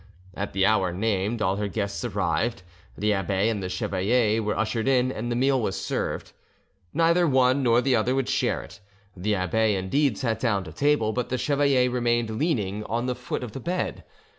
At the hour named all her guests arrived; the abbe and the chevalier were ushered in, and the meal was served. Neither one nor the other would share it; the abbe indeed sat down to table, but the chevalier remained leaning on the foot of the bed.